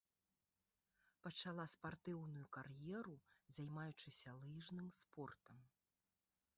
Пачала спартыўную кар'еру, займаючыся лыжным спортам.